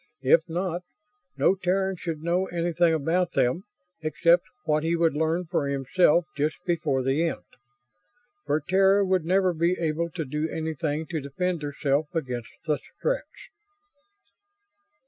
If not, no Terran should know anything about them except what he would learn for himself just before the end. For Terra would never be able to do anything to defend herself against the Stretts.